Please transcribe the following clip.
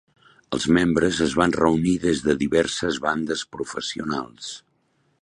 Els membres es van reunir des de diverses bandes professionals.